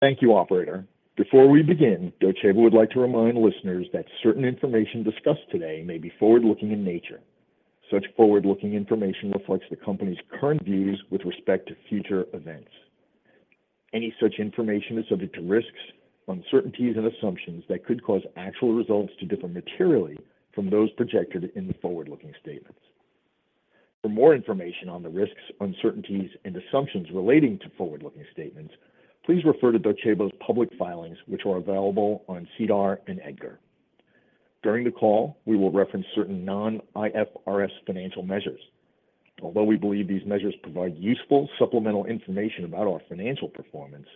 Thank you, operator. Before we begin, Docebo would like to remind listeners that certain information discussed today may be forward-looking in nature. Such forward-looking information reflects the company's current views with respect to future events. Any such information is subject to risks, uncertainties, and assumptions that could cause actual results to differ materially from those projected in the forward-looking statements. For more information on the risks, uncertainties, and assumptions relating to forward-looking statements, please refer to Docebo's public filings, which are available on SEDAR and EDGAR. During the call, we will reference certain non-IFRS financial measures. Although we believe these measures provide useful supplemental information about our financial performance,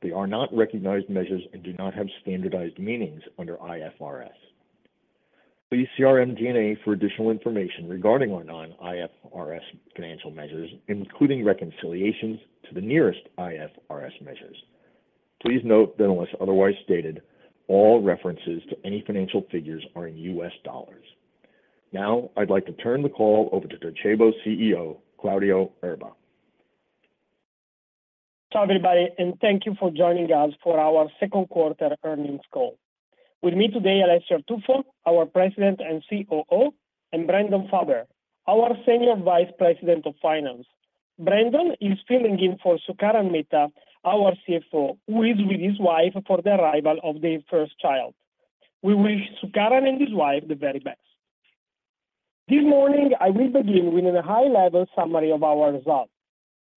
they are not recognized measures and do not have standardized meanings under IFRS. Please see our MD&A for additional information regarding our non-IFRS financial measures, including reconciliations to the nearest IFRS measures. Please note that unless otherwise stated, all references to any financial figures are in US dollars. Now, I'd like to turn the call over to Docebo's Chief Executive Officer, Claudio Erba. Everybody, and thank you for joining us for our second quarter earnings call. With me today, Alessio Artuffo, our President and Chief Operating Officer, and Brandon Farber, our Senior Vice President of Finance. Brandon is filling in for Sukaran Mehta, our Chief Financial Officer, who is with his wife for the arrival of their first child. We wish Sukaran and his wife the very best. This morning, I will begin with a high-level summary of our results.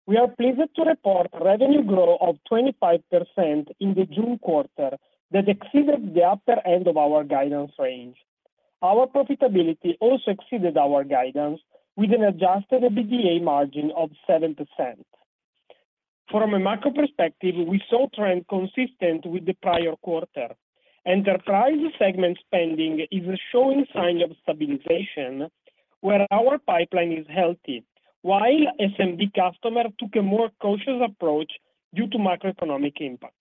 We are pleased to report revenue growth of 25% in the June quarter that exceeded the upper end of our guidance range. Our profitability also exceeded our guidance, with an adjusted EBITDA margin of 7%. From a macro perspective, we saw trend consistent with the prior quarter. Enterprise segment spending is showing signs of stabilization, where our pipeline is healthy, while SMB customer took a more cautious approach due to macroeconomic impacts.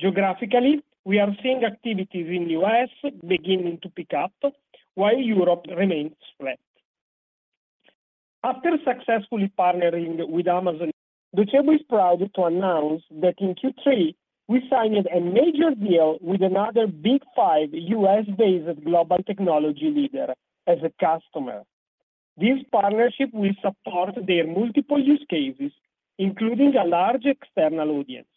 Geographically, we are seeing activities in U.S. beginning to pick up, while Europe remains flat. After successfully partnering with Amazon, Docebo is proud to announce that in Q3, we signed a major deal with another big five U.S.-based global technology leader as a customer. This partnership will support their multiple use cases, including a large external audience.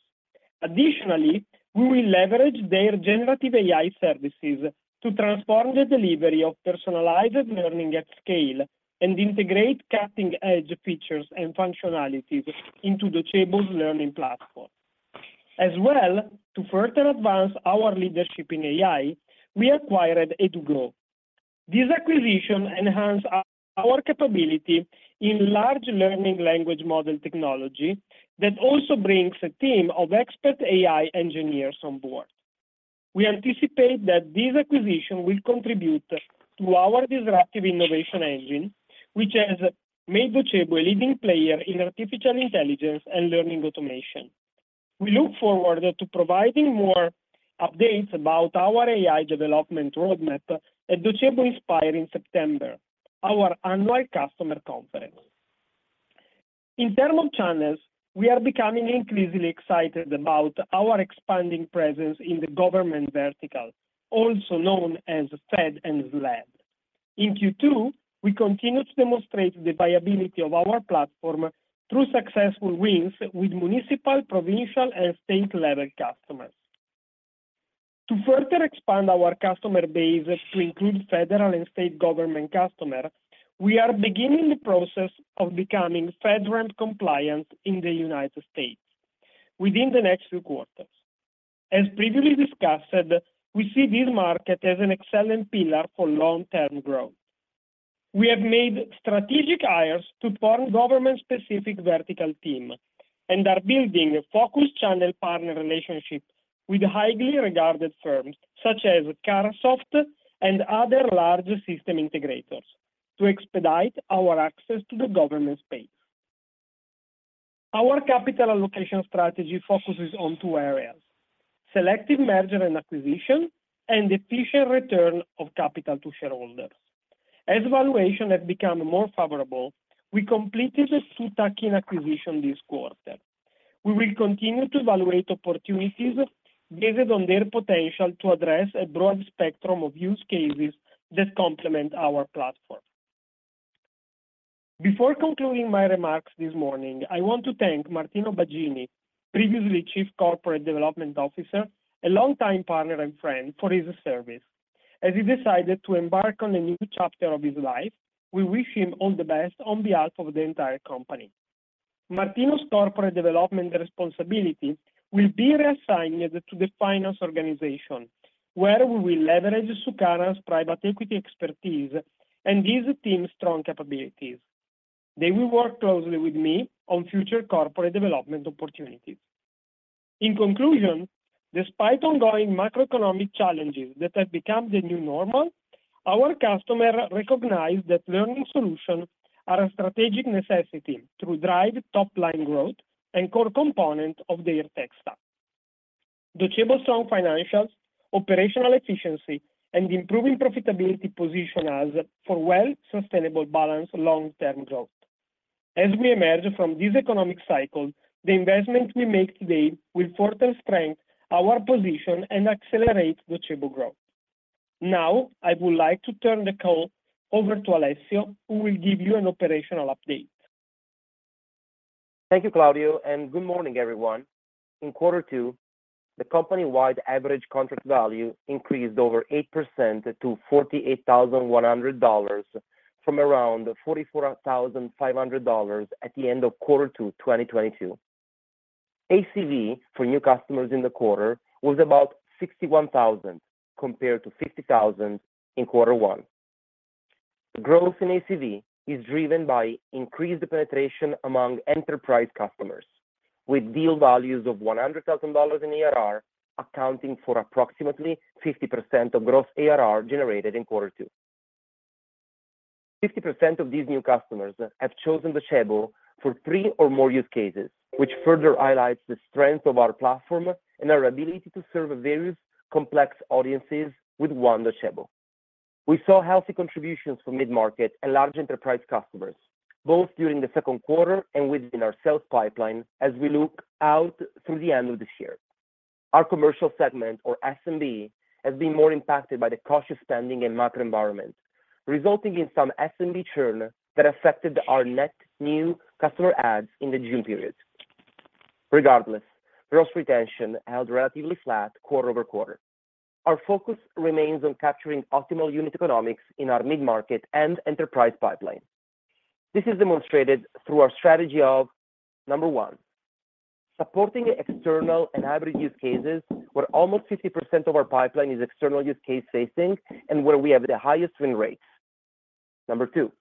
Additionally, we will leverage their generative AI services to transform the delivery of personalized learning at scale and integrate cutting-edge features and functionalities into Docebo's learning platform. To further advance our leadership in AI, we acquired Edugo.AI. This acquisition enhanced our capability in large learning language model technology that also brings a team of expert AI engineers on board. We anticipate that this acquisition will contribute to our disruptive innovation engine, which has made Docebo a leading player in artificial intelligence and learning automation. We look forward to providing more updates about our AI development roadmap at Docebo Inspire in September, our annual customer conference. In terms of channels, we are becoming increasingly excited about our expanding presence in the government vertical, also known as Fed and SLED. In Q2, we continued to demonstrate the viability of our platform through successful wins with municipal, provincial, and state-level customers. To further expand our customer base to include federal and state government customer, we are beginning the process of becoming FedRAMP compliant in the United States within the next two quarters. As previously discussed, we see this market as an excellent pillar for long-term growth. We have made strategic hires to form government-specific vertical team and are building a focused channel partner relationship with highly regarded firms such as Carahsoft and other large system integrators to expedite our access to the government space. Our capital allocation strategy focuses on two areas: selective merger and acquisition, and efficient return of capital to shareholders. As valuation have become more favorable, we completed a two-tier acquisition this quarter. We will continue to evaluate opportunities based on their potential to address a broad spectrum of use cases that complement our platform. Before concluding my remarks this morning, I want to thank Martino Bagini, previously Chief Corporate Development Officer, a longtime partner and friend, for his service. As he decided to embark on a new chapter of his life, we wish him all the best on behalf of the entire company. Martino's corporate development responsibility will be reassigned to the finance organization, where we will leverage Sukaran's private equity expertise and give the team strong capabilities. They will work closely with me on future corporate development opportunities. In conclusion, despite ongoing macroeconomic challenges that have become the new normal, our customer recognize that learning solution are a strategic necessity to drive top-line growth and core component of their tech stack. Docebo's strong financials, operational efficiency, and improving profitability position us for well sustainable, balanced, long-term growth. As we emerge from this economic cycle, the investment we make today will further strengthen our position and accelerate Docebo growth. Now, I would like to turn the call over to Alessio, who will give you an operational update. Thank you, Claudio, and good morning, everyone. In quarter two, the company-wide average contract value increased over 8% to $48,100, from around $44,500 at the end of quarter two, 2022. ACV for new customers in the quarter was about $61,000, compared to $50,000 in quarter one. Growth in ACV is driven by increased penetration among enterprise customers, with deal values of $100,000 in ARR, accounting for approximately 50% of gross ARR generated in quarter two. 50% of these new customers have chosen Docebo for three or more use cases, which further highlights the strength of our platform and our ability to serve various complex audiences with one Docebo. We saw healthy contributions from mid-market and large enterprise customers, both during the second quarter and within our sales pipeline as we look out through the end of this year. Our commercial segment, or SMB, has been more impacted by the cautious spending and market environment, resulting in some SMB churn that affected our net new customer adds in the June period. Regardless, gross retention held relatively flat quarter-over-quarter. Our focus remains on capturing optimal unit economics in our mid-market and enterprise pipeline. This is demonstrated through our strategy of, number one, supporting external and hybrid use cases, where almost 50% of our pipeline is external use case-facing and where we have the highest win rates. Number two,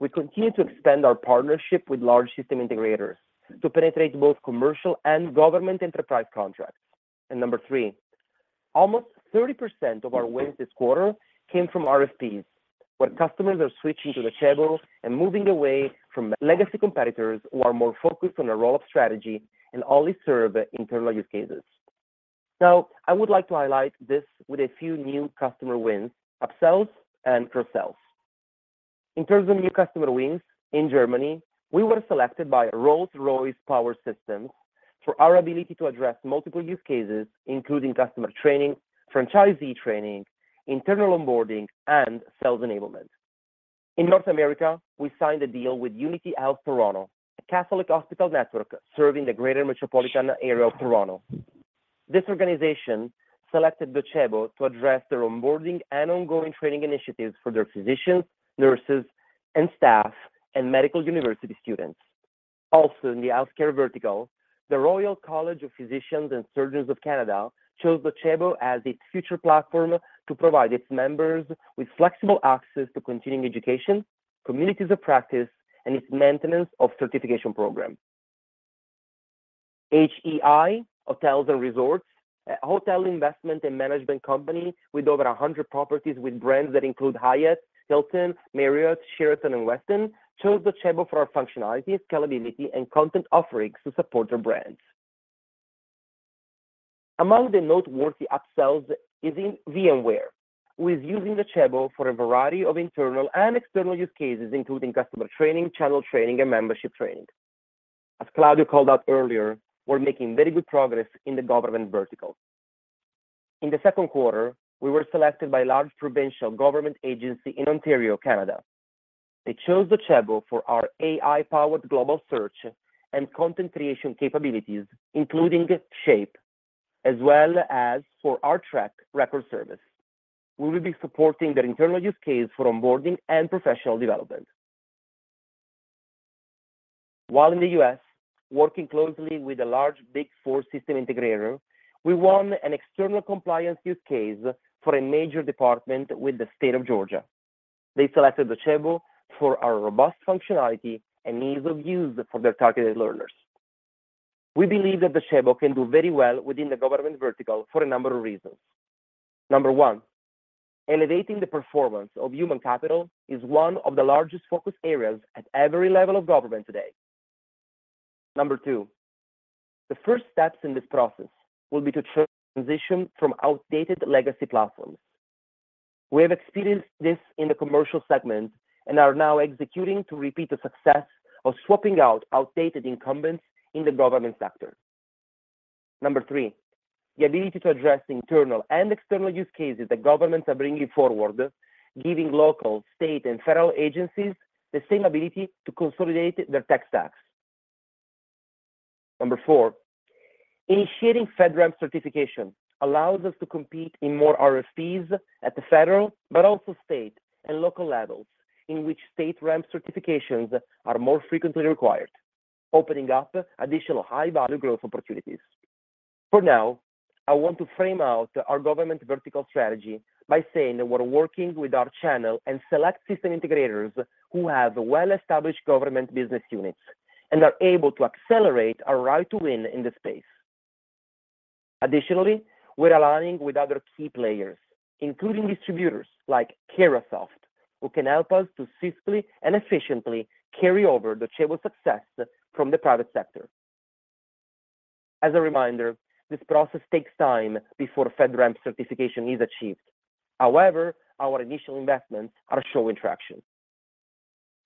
we continue to expand our partnership with large system integrators to penetrate both commercial and government enterprise contracts. Number three, almost 30% of our wins this quarter came from RFPs, where customers are switching to Docebo and moving away from legacy competitors who are more focused on a roll-up strategy and only serve internal use cases. Now, I would like to highlight this with a few new customer wins, upsells, and cross-sells. In terms of new customer wins, in Germany, we were selected by Rolls-Royce Power Systems for our ability to address multiple use cases, including customer training, franchisee training, internal onboarding, and sales enablement. In North America, we signed a deal with Unity Health Toronto, a Catholic hospital network serving the greater metropolitan area of Toronto. This organization selected Docebo to address their onboarding and ongoing training initiatives for their physicians, nurses and staff, and medical university students. In the healthcare vertical, the Royal College of Physicians and Surgeons of Canada chose Docebo as its future platform to provide its members with flexible access to continuing education, communities of practice, and its maintenance of certification program. HEI Hotels & Resorts, a hotel investment and management company with over 100 properties with brands that include Hyatt, Hilton, Marriott, Sheraton, and Westin, chose Docebo for our functionality, scalability, and content offerings to support their brands. Among the noteworthy upsells is in VMware, who is using Docebo for a variety of internal and external use cases, including customer training, channel training, and membership training. As Claudio called out earlier, we're making very good progress in the government vertical. In the second quarter, we were selected by a large provincial government agency in Ontario, Canada. They chose Docebo for our AI-powered global search and content creation capabilities, including Shape, as well as for our track record service. We will be supporting their internal use case for onboarding and professional development. While in the U.S, working closely with a large Big Four system integrator, we won an external compliance use case for a major department with the state of Georgia. They selected Docebo for our robust functionality and ease of use for their targeted learners. We believe that Docebo can do very well within the government vertical for a number of reasons. Number one, elevating the performance of human capital is one of the largest focus areas at every level of government today. Number two, the first steps in this process will be to transition from outdated legacy platforms. We have experienced this in the commercial segment and are now executing to repeat the success of swapping out outdated incumbents in the government sector. Number three, the ability to address the internal and external use cases that governments are bringing forward, giving local, state, and federal agencies the same ability to consolidate their tech stacks. Number four, initiating FedRAMP certification allows us to compete in more RFPs at the federal, but also state and local levels, in which StateRAMP certifications are more frequently required, opening up additional high-value growth opportunities. For now, I want to frame out our government vertical strategy by saying that we're working with our channel and select system integrators who have well-established government business units and are able to accelerate our right to win in the space. Additionally, we're aligning with other key players, including distributors like Carahsoft, who can help us to swiftly and efficiently carry over Docebo's success from the private sector. As a reminder, this process takes time before FedRAMP certification is achieved. However, our initial investments are showing traction.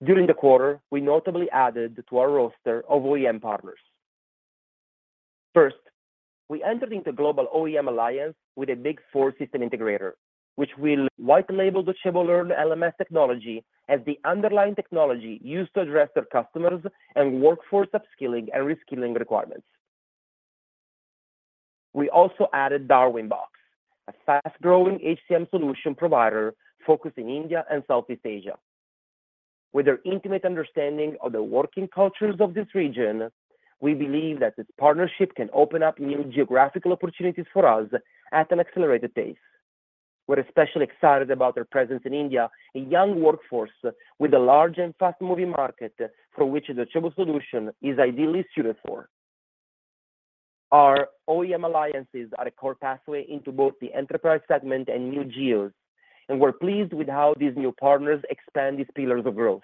During the quarter, we notably added to our roster of OEM partners. First, we entered into Global OEM Alliance with a Big Four system integrator, which will white label the Docebo Learn LMS technology as the underlying technology used to address their customers and workforce upskilling and reskilling requirements. We also added Darwinbox, a fast-growing HCM solution provider focused in India and Southeast Asia. With their intimate understanding of the working cultures of this region, we believe that this partnership can open up new geographical opportunities for us at an accelerated pace. We're especially excited about their presence in India, a young workforce with a large and fast-moving market for which the Docebo solution is ideally suited for. Our OEM alliances are a core pathway into both the enterprise segment and new geos. We're pleased with how these new partners expand these pillars of growth.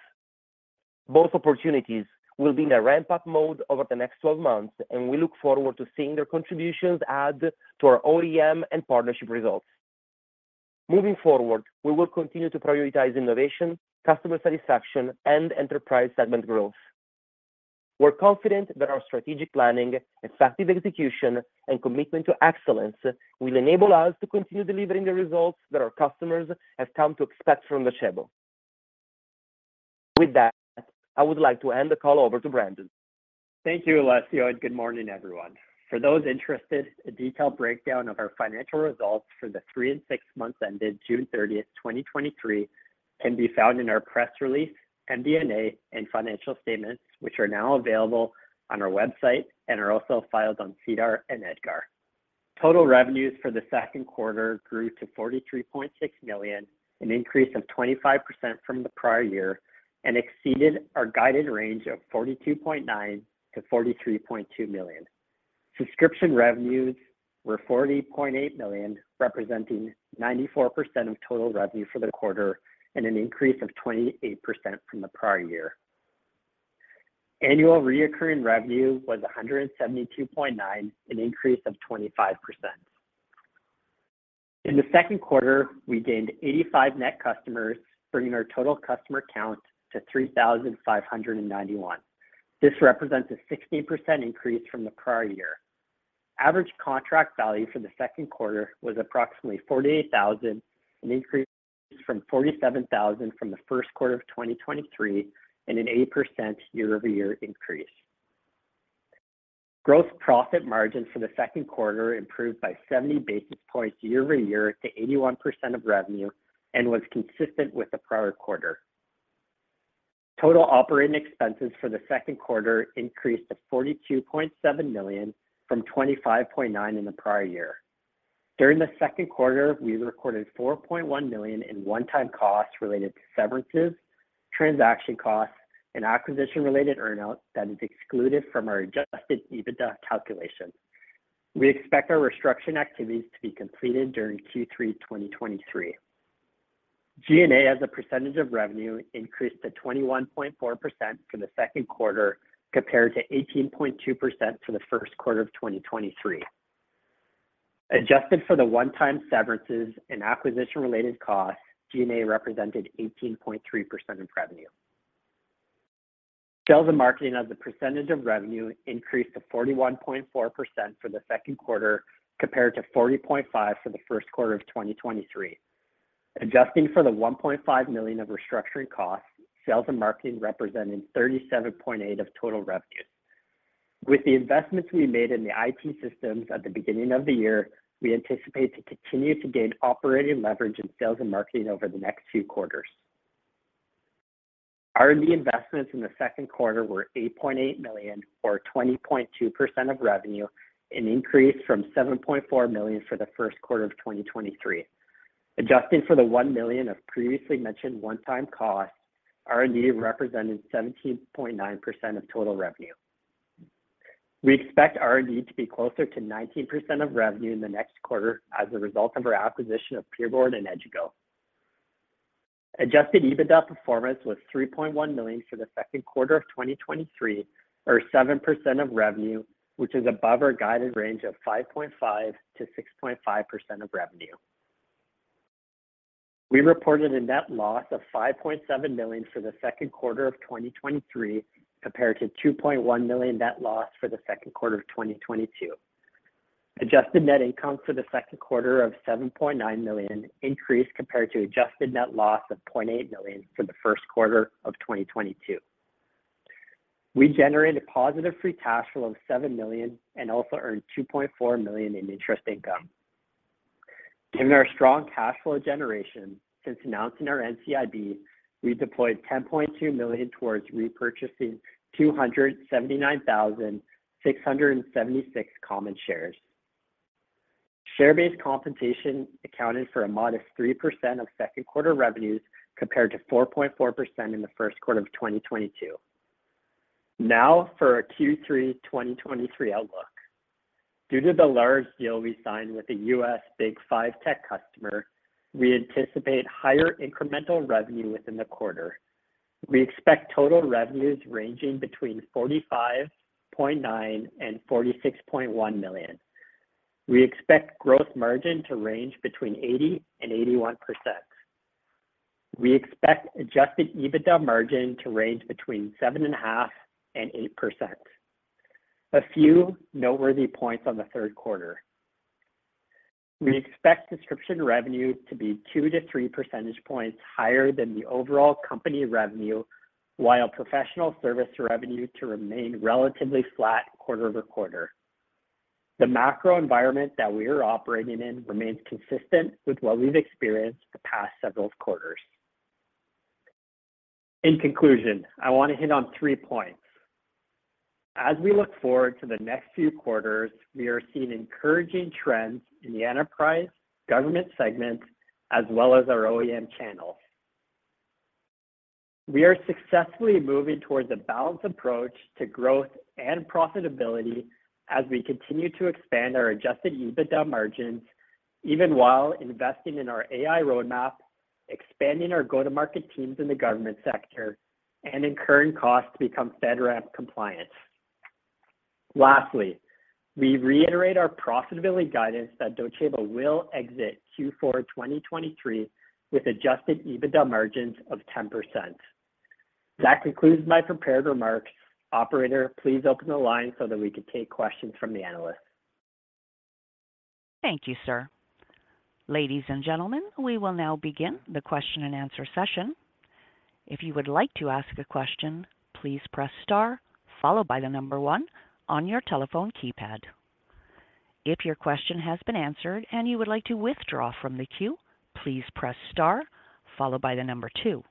Both opportunities will be in a ramp-up mode over the next 12 months. We look forward to seeing their contributions add to our OEM and partnership results. Moving forward, we will continue to prioritize innovation, customer satisfaction, and enterprise segment growth. We're confident that our strategic planning, effective execution, and commitment to excellence will enable us to continue delivering the results that our customers have come to expect from Docebo. With that, I would like to hand the call over to Brandon. Thank you, Alessio, and good morning, everyone. For those interested, a detailed breakdown of our financial results for the three and six months ended June 30th, 2023, can be found in our press release, MD&A, and financial statements, which are now available on our website and are also filed on SEDAR and EDGAR. Total revenues for the second quarter grew to $43.6 million, an increase of 25% from the prior year, and exceeded our guided range of $42.9 million-$43.2 million. Subscription revenues were $40.8 million, representing 94% of total revenue for the quarter and an increase of 28% from the prior year. Annual Recurring Revenue was $172.9 million, an increase of 25%. In the second quarter, we gained 85 net customers, bringing our total customer count to 3,591. This represents a 16% increase from the prior year. Average contract value for the second quarter was approximately $48,000, an increase from $47,000 from the first quarter of 2023, and an 80% year-over-year increase. Gross profit margin for the second quarter improved by 70 basis points year-over-year to 81% of revenue and was consistent with the prior quarter. Total operating expenses for the second quarter increased to $42.7 million from $25.9 million in the prior year. During the second quarter, we recorded $4.1 million in one-time costs related to severances, transaction costs, and acquisition-related earn-out that is excluded from our adjusted EBITDA calculation. We expect our restructuring activities to be completed during Q3 2023. G&A, as a percentage of revenue, increased to 21.4% for the second quarter, compared to 18.2% for the first quarter of 2023. Adjusted for the one-time severances and acquisition-related costs, G&A represented 18.3% of revenue. Sales and marketing as a percentage of revenue increased to 41.4% for the second quarter, compared to 40.5% for the first quarter of 2023. Adjusting for the $1.5 million of restructuring costs, sales and marketing represented 37.8% of total revenue. With the investments we made in the IT systems at the beginning of the year, we anticipate to continue to gain operating leverage in sales and marketing over the next few quarters. R&D investments in the second quarter were $8.8 million, or 20.2% of revenue, an increase from $7.4 million for the first quarter of 2023. Adjusting for the $1 million of previously mentioned one-time costs, R&D represented 17.9% of total revenue. We expect R&D to be closer to 19% of revenue in the next quarter as a result of our acquisition of PeerBoard and Edugo. Adjusted EBITDA performance was $3.1 million for the second quarter of 2023, or 7% of revenue, which is above our guided range of 5.5%-6.5% of revenue. We reported a net loss of $5.7 million for the second quarter of 2023, compared to $2.1 million net loss for the second quarter of 2022. Adjusted net income for the second quarter of $7.9 million increased compared to adjusted net loss of $0.8 million for the first quarter of 2022. We generated positive free cash flow of $7 million and also earned $2.4 million in interest income. Given our strong cash flow generation since announcing our NCIB, we deployed $10.2 million towards repurchasing 279,676 common shares. Share-based compensation accounted for a modest 3% of second-quarter revenues, compared to 4.4% in the first quarter of 2022. Now for our Q3 2023 outlook. Due to the large deal we signed with the US Big 5 tech customer, we anticipate higher incremental revenue within the quarter.. We expect total revenues ranging between $45.9 million and $46.1 million. We expect gross margin to range between 80%-81%. We expect adjusted EBITDA margin to range between 7.5%-8%. A few noteworthy points on the third quarter: We expect subscription revenue to be 2-3 percentage points higher than the overall company revenue, while professional service revenue to remain relatively flat quarter-over-quarter. The macro environment that we are operating in remains consistent with what we've experienced the past several quarters. In conclusion, I want to hit on three points. As we look forward to the next few quarters, we are seeing encouraging trends in the enterprise government segments, as well as our OEM channels. We are successfully moving towards a balanced approach to growth and profitability as we continue to expand our adjusted EBITDA margins, even while investing in our AI roadmap, expanding our go-to-market teams in the government sector, and incurring costs to become FedRAMP compliant. Lastly, we reiterate our profitability guidance that Docebo will exit Q4 2023 with adjusted EBITDA margins of 10%. That concludes my prepared remarks. Operator, please open the line so that we could take questions from the analysts. Thank you, sir. Ladies and gentlemen, we will now begin the question and answer session. If you would like to ask a question, please press star followed by the number one on your telephone keypad. If your question has been answered and you would like to withdraw from the queue, please press star followed by the number two.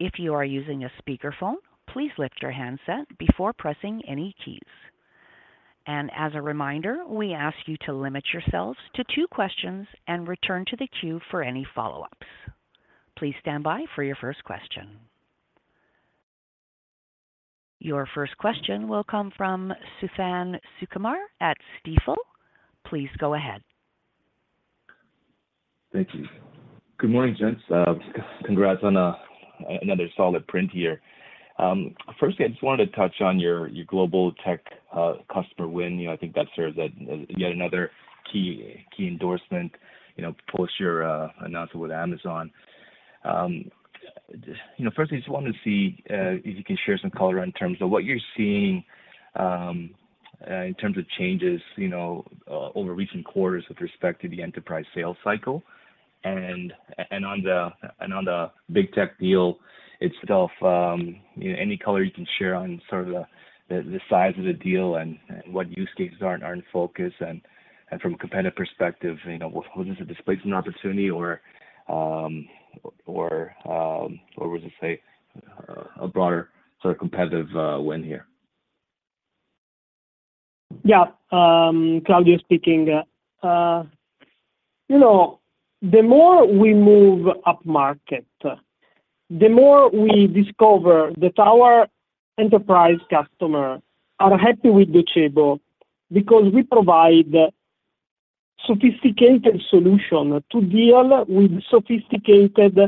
If you are using a speakerphone, please lift your handset before pressing any keys. And as a reminder, we ask you to limit yourselves to two questions and return to the queue for any follow-ups. Please stand by for your first question. Your first question will come from Suthan Sukumar at Stifel. Please go ahead. Thank you. Good morning, gents. Congrats on another solid print here. Firstly, one just wanted to touch on your, your global tech customer win. You know, I think that serves as yet another key, key endorsement, you know, post your announcement with Amazon. You know, firstly, I just wanted to see if you can share some color on terms of what you're seeing in terms of changes, you know, over recent quarters with respect to the enterprise sales cycle. On the big tech deal itself, any color you can share on sort of the, the, the size of the deal and, and what use cases are, are in focus and, and from a competitive perspective, you know, was this a displacement opportunity or, or, what was it, say, a broader sort of competitive win here? Yeah, Claudio speaking. You know, the more we move upmarket, the more we discover that our enterprise customer are happy with Docebo because we provide sophisticated solution to deal with sophisticated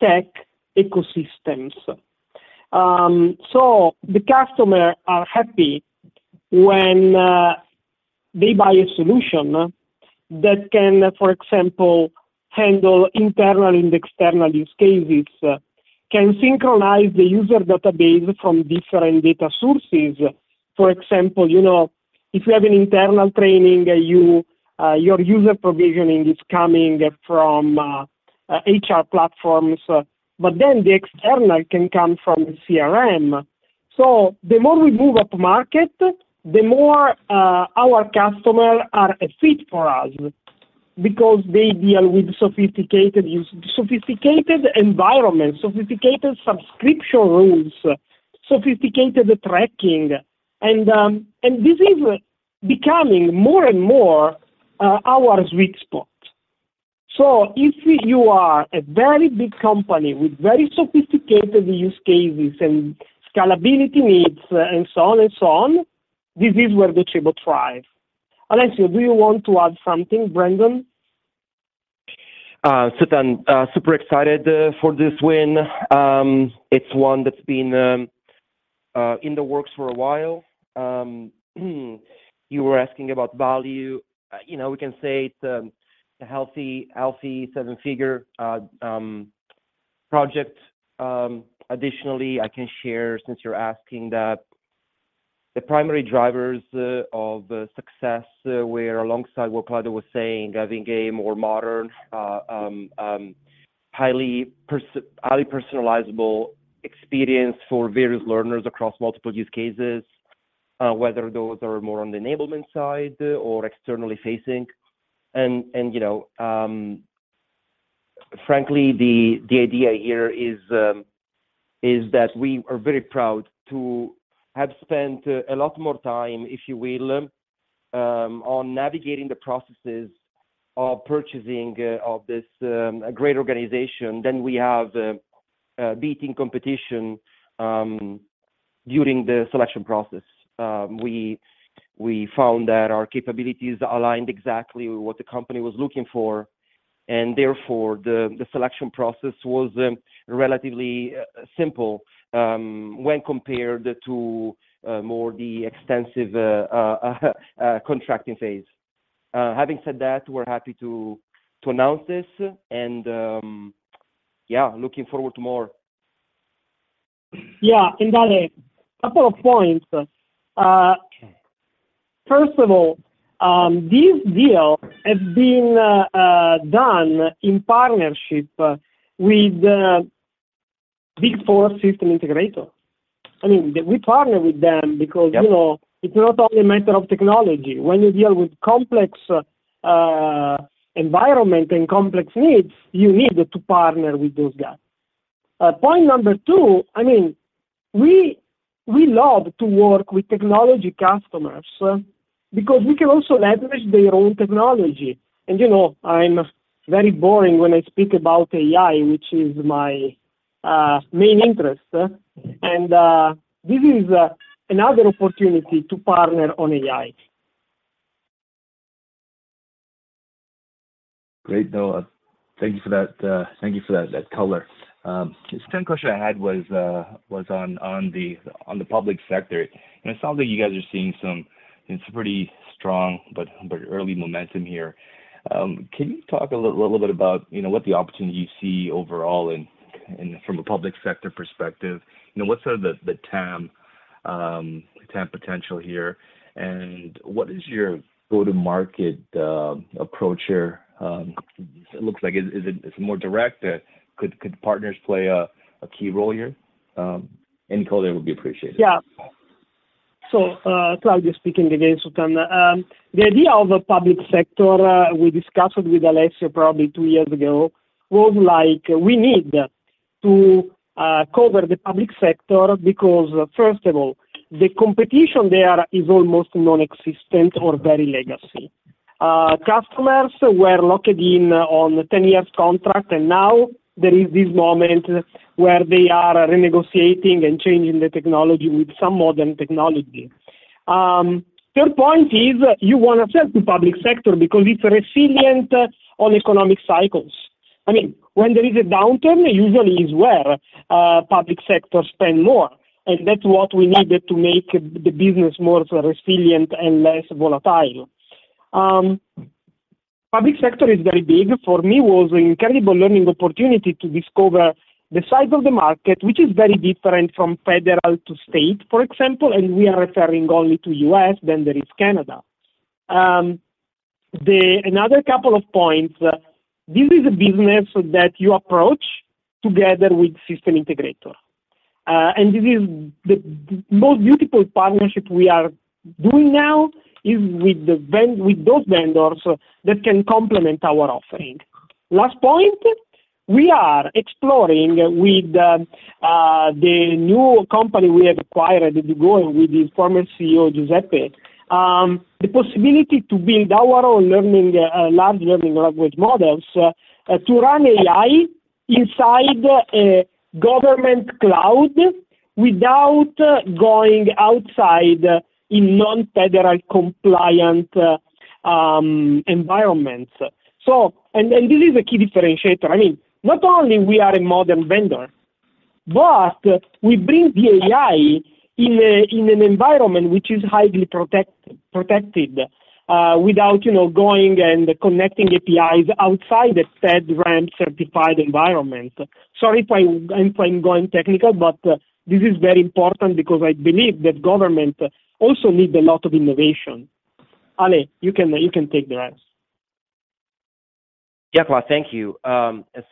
tech ecosystems. The customer are happy when they buy a solution that can, for example, handle internal and external use cases, can synchronize the user database from different data sources. For example, you know, if you have an internal training, you, your user provisioning is coming from HR platforms, but then the external can come from CRM. The more we move upmarket, the more our customer are a fit for us because they deal with sophisticated environments, sophisticated subscription rules, sophisticated tracking, and this is becoming more and more our sweet spot. If you are a very big company with very sophisticated use cases and scalability needs, and so on and so on, this is where Docebo thrives. Alessio, do you want to add something? Brendan? I'm super excited for this win. It's one that's been in the works for a while. You were asking about value. You know, we can say it's a healthy, healthy seven-figure project. Additionally, I can share, since you're asking, that the primary drivers of success were alongside what Claudio was saying, having a more modern, highly personalizable experience for various learners across multiple use cases, whether those are more on the enablement side or externally facing. You know, frankly, the idea here is that we are very proud to have spent a lot more time, if you will, on navigating the processes of purchasing of this a great organization than we have beating competition. during the selection process, we, we found that our capabilities aligned exactly with what the company was looking for, and therefore, the, the selection process was relatively simple when compared to more the extensive contracting phase. Having said that, we're happy to, to announce this, and yeah, looking forward to more. Yeah, and that a couple of points. First of all, this deal has been done in partnership with the Big Four system integrator. I mean, we partner with them because-you know, it's not only a matter of technology. When you deal with complex, environment and complex needs, you need to partner with those guys. Point number two, I mean, we, we love to work with technology customers, so because we can also leverage their own technology. You know, I'm very boring when I speak about AI, which is my main interest, and this is another opportunity to partner on AI. Great, though. Thank you for that, thank you for that, that color. The second question I had was on, on the, on the public sector. It sounds like you guys are seeing some, some pretty strong but, but early momentum here. Can you talk a little, little bit about, you know, what the opportunity you see overall and, and from a public sector perspective? You know, what's the, the TAM, TAM potential here, and what is your go-to-market approach here? It looks like it's more direct, could, could partners play a, a key role here? Any color would be appreciated. Yeah. Claudio speaking again, Suthan. The idea of a public sector, we discussed with Alessio probably two years ago, was like, we need to cover the public sector because, first of all, the competition there is almost nonexistent or very legacy. Customers were locked in on a 10-year contract, and now there is this moment where they are renegotiating and changing the technology with some modern technology. Third point is you want to sell to public sector because it's resilient on economic cycles. I mean, when there is a downturn, usually is where public sector spend more, and that's what we needed to make the business more resilient and less volatile. Public sector is very big. For me, it was an incredible learning opportunity to discover the size of the market, which is very different from federal to state, for example, and we are referring only to U.S., then there is Canada. Another couple of points, this is a business that you approach together with system integrator, and this is the most beautiful partnership we are doing now, is with the ven- with those vendors that can complement our offering. Last point, we are exploring with the new company we have acquired, going with the former Chief Executive Officer, Giuseppe, the possibility to build our own learning large language models to run AI inside a government cloud without going outside in non-federal compliant environments. This is a key differentiator. I mean, not only we are a modern vendor, but we bring the AI in an environment which is highly protected, without, you know, going and connecting APIs outside the FedRAMP certified environment. Sorry if I'm going technical, but this is very important because I believe that government also needs a lot of innovation. Ale, you can take the rest. Yeah, Claudio, thank you.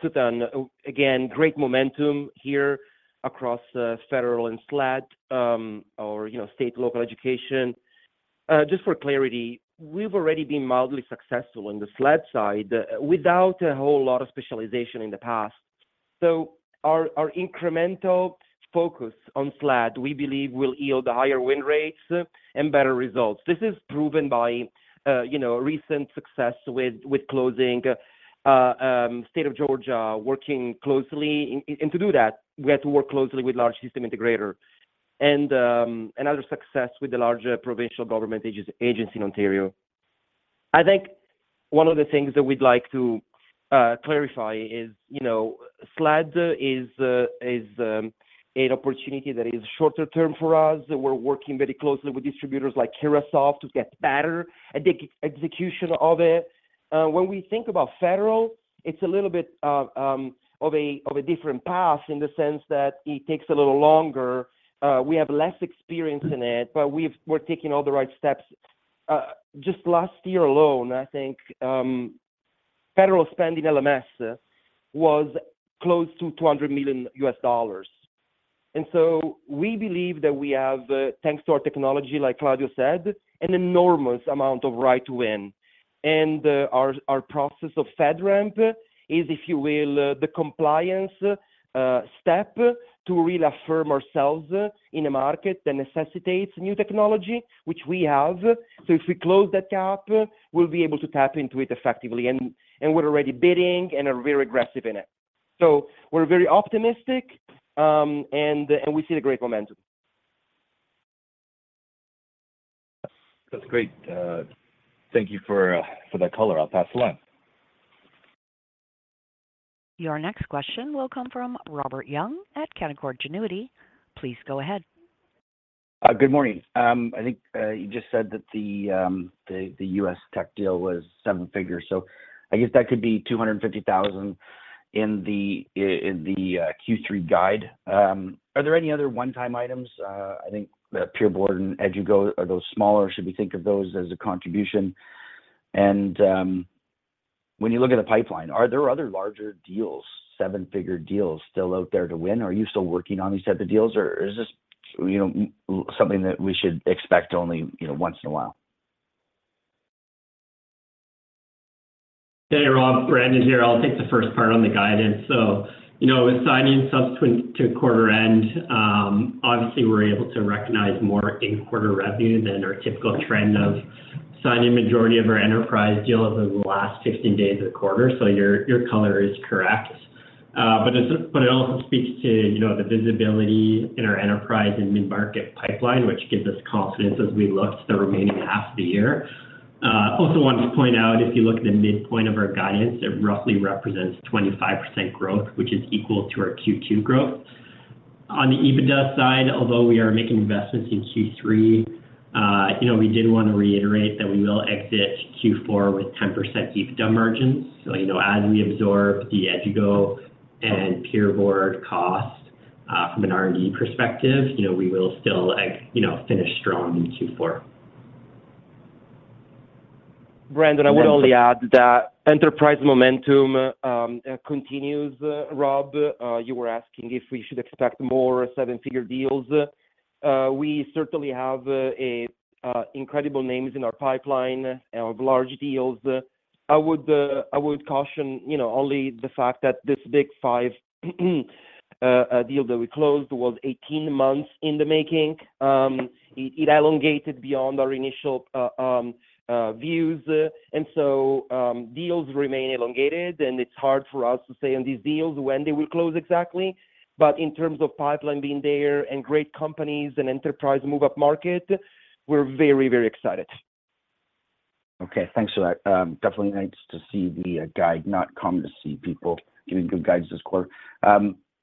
Suthan, again, great momentum here across federal and SLED, or, you know, state, local education. Just for clarity, we've already been mildly successful on the SLED side without a whole lot of specialization in the past. Our, our incremental focus on SLED, we believe, will yield higher win rates and better results. This is proven by, you know, recent success with, with closing State of Georgia, working closely. To do that, we had to work closely with large system integrator and another success with the larger provincial government agency in Ontario. I think one of the things that we'd like to clarify is, you know, SLED is a, is an opportunity that is shorter term for us. We're working very closely with distributors like Carahsoft to get better at the execution of it. When we think about federal, it's a little bit of a different path in the sense that it takes a little longer, we have less experience in it, but we're taking all the right steps. Just last year alone, I think, federal spend in LMS was close to $200 million. So we believe that we have, thanks to our technology, like Claudio said, an enormous amount of right to win. Our process of FedRAMP is, if you will, the compliance step to really affirm ourselves in a market that necessitates new technology, which we have. If we close that gap, we'll be able to tap into it effectively, and we're already bidding and are very aggressive in it. We're very optimistic, and we see a great momentum. That's great. Thank you for for that color. I'll pass the line. Your next question will come from Robert Young at Canaccord Genuity. Please go ahead. Good morning. I think you just said that the U.S. tech deal was seven figures, so I guess that could be $250,000 in the in the Q3 guide. Are there any other one-time items? I think the PeerBoard and Edugo, are those smaller, or should we think of those as a contribution? When you look at the pipeline, are there other larger deals, seven-figure deals still out there to win? Are you still working on these type of deals, or is this, you know, something that we should expect only, you know, once in a while? Hey, Robert Young, Brandon Farber here. I'll take the first part on the guidance. You know, with signing subsequent to quarter end, obviously, we're able to recognize more in-quarter revenue than our typical trend of signing majority of our enterprise deals over the last 15 days of the quarter, so your, your color is correct. It also speaks to, you know, the visibility in our enterprise and mid-market pipeline, which gives us confidence as we look to the remaining half of the year. I also wanted to point out, if you look at the midpoint of our guidance, it roughly represents 25% growth, which is equal to our Q2 growth. On the EBITDA side, although we are making investments in Q3, you know, we did wanna reiterate that we will exit Q4 with 10% EBITDA margins. You know, as we absorb the Edugo and PeerBoard cost, from an R&D perspective, you know, we will still, like, you know, finish strong in Q4. Brandon, I would only add that enterprise momentum continues, Rob. You were asking if we should expect more seven-figure deals. We certainly have a incredible names in our pipeline of large deals. I would, I would caution, you know, only the fact that this Big five deal that we closed was 18 months in the making. It, it elongated beyond our initial views, and so deals remain elongated, and it's hard for us to say on these deals when they will close exactly. In terms of pipeline being there, and great companies, and enterprise move-up market, we're very, very excited. Okay, thanks for that. Definitely nice to see the guide, not common to see people giving good guidance this quarter.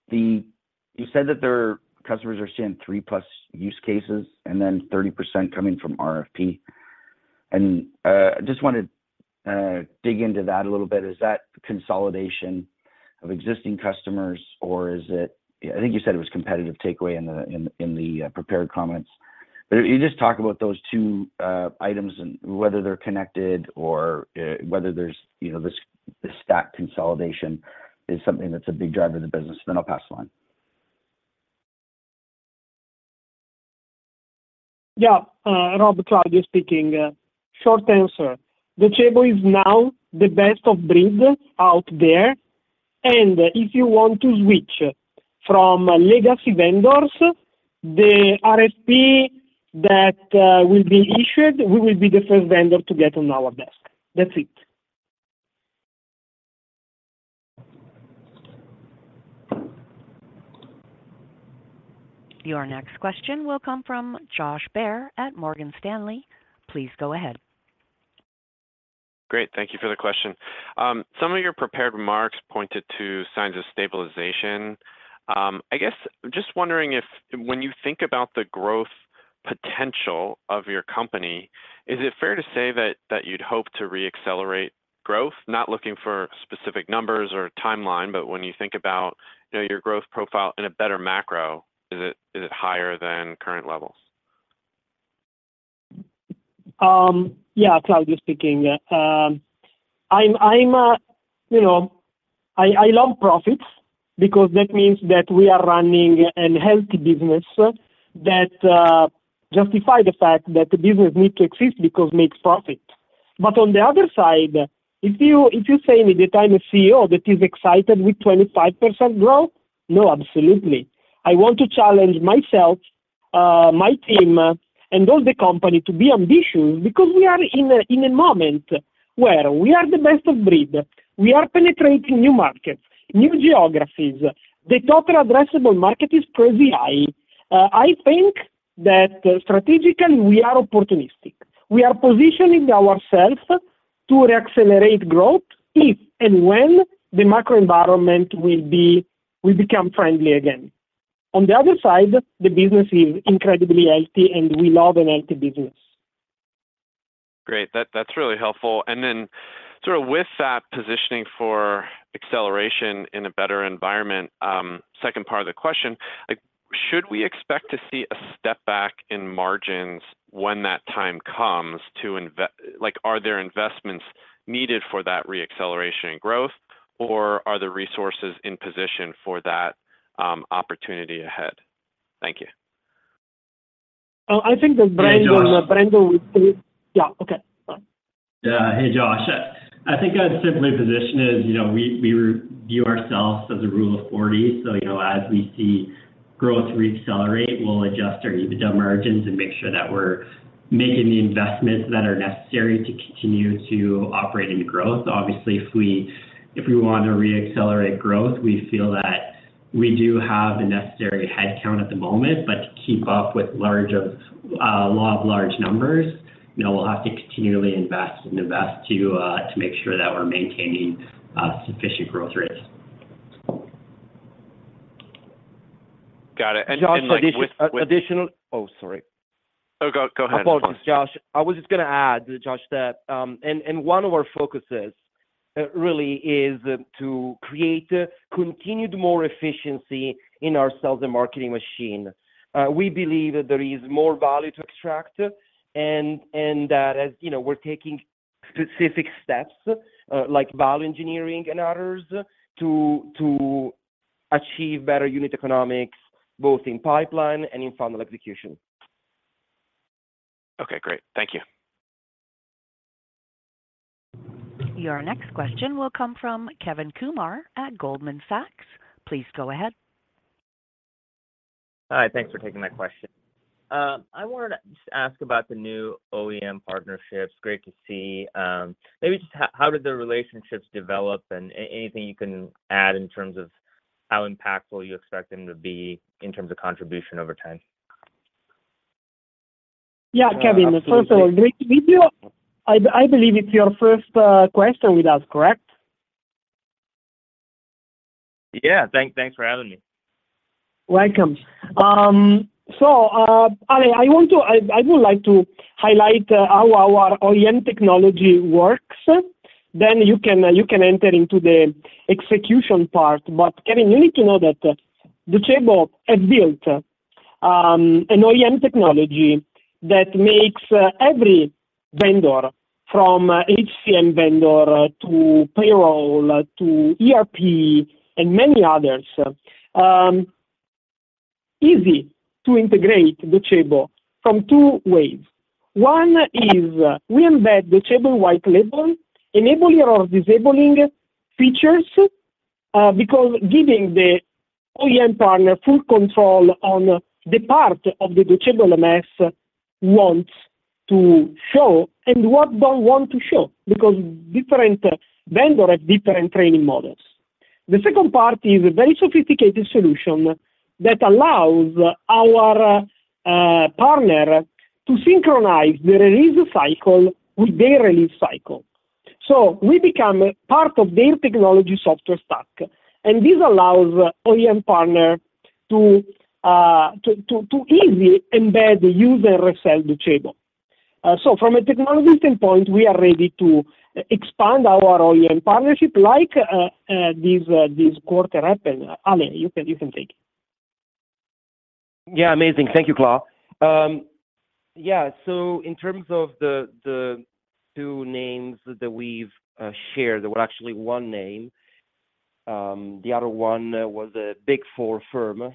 You said that their customers are seeing three-plus use cases, and then 30% coming from RFP. I just wanted to dig into that a little bit. Is that consolidation of existing customers, or is it... I think you said it was competitive takeaway in the, in, in the prepared comments. If you just talk about those two items and whether they're connected or whether there's, you know, this, this stack consolidation is something that's a big driver of the business, I'll pass it on. Yeah, Rob, Claudio speaking. Short answer, the table is now the best of breed out there, and if you want to switch from legacy vendors, the RFP that will be issued, we will be the first vendor to get on our desk. That's it. Your next question will come from Josh Baer at Morgan Stanley. Please go ahead. Great, thank you for the question. Some of your prepared remarks pointed to signs of stabilization. I guess, just wondering if when you think about the growth potential of your company, is it fair to say that, that you'd hope to reaccelerate growth? Not looking for specific numbers or a timeline, but when you you think about, you know, your growth profile in a better macro, is it, is it higher than current levels? Yeah, Claudio speaking. I'm, I'm, you know, I, I love profits because that means that we are running an healthy business that justify the fact that the business need to exist because makes profit. On the other side, if you, if you say me that I'm a Chief Executive Officer that is excited with 25% growth, no, absolutely. I want to challenge myself, my team, and all the company to be ambitious because we are in a, in a moment where we are the best of breed. We are penetrating new markets, new geographies. The total addressable market is pretty high. I think that strategically, we are opportunistic. We are positioning ourselves to reaccelerate growth if and when the macro environment will become friendly again. On the other side, the business is incredibly healthy, and we love a healthy business. Great, that, that's really helpful. Then sort of with that positioning for acceleration in a better environment, second part of the question: Should we expect to see a step back in margins when that time comes to Like, are there investments needed for that reacceleration in growth, or are the resources in position for that opportunity ahead? Thank you. I think that Brandon- Yeah, Josh- Brandon would say. Yeah. Okay, go on. Yeah. Hey, Josh. I think I'd simply position it as, you know, we, we review ourselves as a Rule of 40. you know, as we see, growth reaccelerate, we'll adjust our EBITDA margins and make sure that we're making the investments that are necessary to continue to operate in growth. Obviously, if we, if we want to reaccelerate growth, we feel that we do have the necessary headcount at the moment, but to keep up with large of, law of large numbers, you know, we'll have to continually invest and invest to, to make sure that we're maintaining, sufficient growth rates. Josh, Oh, sorry. Oh, go, go ahead. Apologies, Josh. I was just gonna add, Josh, that one of our focuses really is to create continued more efficiency in our sales and marketing machine. We believe that there is more value to extract, that as, you know, we're taking specific steps, like value engineering and others, to achieve better unit economics, both in pipeline and in funnel execution. Okay, great. Thank you. Your next question will come from Kevin Kumar at Goldman Sachs. Please go ahead. Hi, thanks for taking my question. I wanted to just ask about the new OEM partnerships. Great to see, maybe just how, how did the relationships develop? Anything you can add in terms of how impactful you expect them to be in terms of contribution over time? Kevin, first of all, great to meet you. I, I believe it's your first question with us, correct? Yeah. Thanks for having me. Welcome. Ale, I would like to highlight how our OEM technology works, then you can enter into the execution part. Kevin, you need to know that the Duetto have built an OEM technology that makes every vendor, from HCM vendor, to payroll, to ERP, and many others, easy to integrate Duetto from two ways. one is we embed the Duetto white label, enabling or disabling features, because giving the OEM partner full control on the part of the Duetto LMS wants to show and what don't want to show, because different vendors have different training models. The second part is a very sophisticated solution that allows our partner to synchronize the release cycle with their release cycle. We become part of their technology software stack, and this allows OEM partner to easily embed the user excel Duetto. From a technology standpoint, we are ready to e-expand our OEM partnership like these, these quarter happen. Ale, you can, you can take it. Yeah, amazing. Thank you, Claudio. In terms of the, the two names that we've shared, well, actually one name, the other one was a Big Four firm.